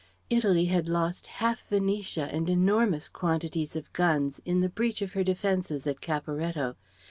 Italy had lost half Venetia and enormous quantities of guns in the breach of her defences at Caporetto.